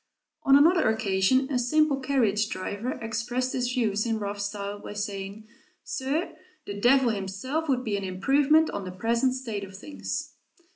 On another occasion a simple carriage driver expressed his views in rough style, by saying, "Sir, the Devil himself would be an improvement on the present state of things."